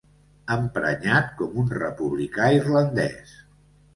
Emprenyat com un republicà irlandès.